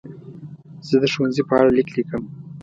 زه د ښوونځي په اړه لیک لیکم.